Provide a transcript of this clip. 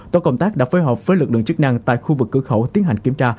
tổ công tác đã phối hợp với lực lượng chức năng tại khu vực cửa khẩu tiến hành kiểm tra